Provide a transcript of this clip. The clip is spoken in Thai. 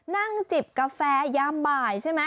นั่งจิบกาแฟยามบ่ายใช่ไหม